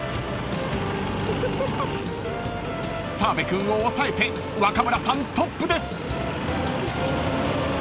［澤部君を抑えて若村さんトップです］